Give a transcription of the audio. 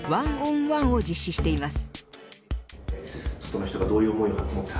１ｏｎ１を実施しています。